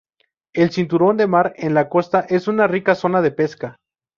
El cinturón de mar en la costa es una rica zona de pesca.